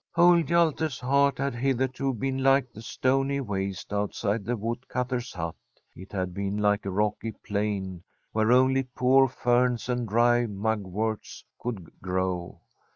Old Hjalte's heart had hitherto been like the stony waste outside the wood cutter's hut ; it had been like a rocky plain, where only poor ferns and dry mugworts could grow.